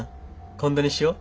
今度にしよう。